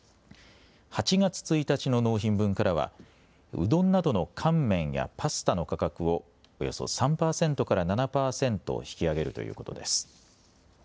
８月１日の納品分からはうどんなどの乾麺やパスタの価格をおよそ３％から７％引き上げるということです。